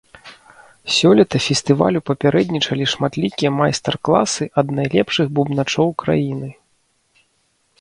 Сёлета фестывалю папярэднічалі шматлікія майстар-класы ад найлепшых бубначоў краіны.